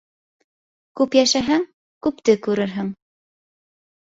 Күп йәшәһәң, күпте күрерһең.